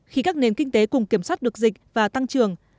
khi các nền kinh tế cùng kiểm soát được dịch và tăng trưởng